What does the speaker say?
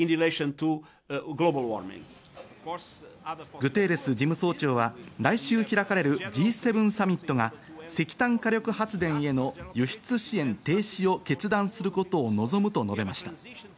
グテーレス事務総長は、来週開かれるＧ７サミットが石炭火力発電への輸出支援停止を決断することを望むと述べました。